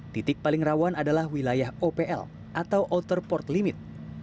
titik paling rawan adalah wilayah opl atau outer port limit